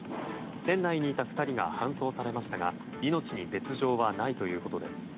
船内にいた２人が搬送されましたが命に別条はないということです。